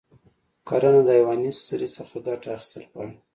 کرنه د حیواني سرې څخه ګټه اخیستل غواړي.